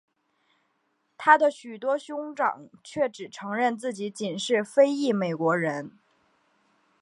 他的许多兄长却只承认自己仅是非裔美国人。